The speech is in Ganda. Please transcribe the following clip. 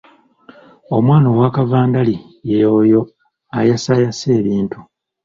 Omwana owa kavandali ye oyo ayasaayasa ebintu.